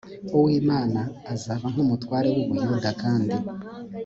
uw imana azaba nk umutware w u buyuda kandi